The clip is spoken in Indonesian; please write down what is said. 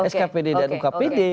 skpd dan ukpd